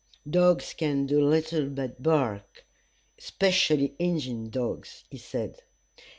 "Dogs can do little but bark; 'specially Injin dogs," he said.